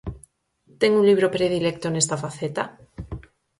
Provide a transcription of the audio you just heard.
Ten un libro predilecto nesta faceta?